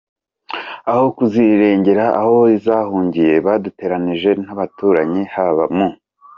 aho kuzirengera aho zahungiye; baduteranije n’abaturanyi, haba mu